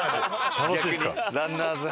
楽しいですか。